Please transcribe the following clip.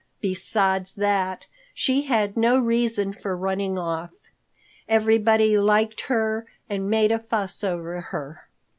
Besides that, she had no reason for running off. Everybody liked her and made a fuss over her."